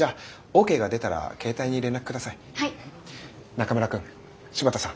中村くん柴田さん